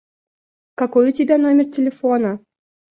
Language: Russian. Какой у тебя номер телефона?